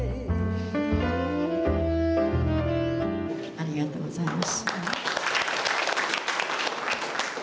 ありがとうございます。